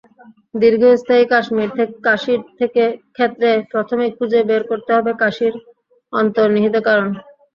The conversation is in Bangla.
দীর্ঘস্থায়ী কাশির ক্ষেত্রে প্রথমেই খুঁজে বের করতে হবে কাশির অন্তর্নিহিত কারণ।